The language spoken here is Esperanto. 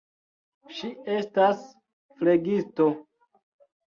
Ŝi estas flegisto.